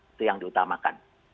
itu yang diutamakan